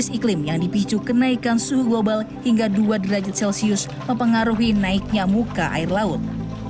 kondisi iklim yang dipicu kenaikan suhu global hingga dua derajat celcius mempengaruhi naiknya muka air laut